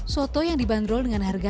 soto yang dibanderol dengan harga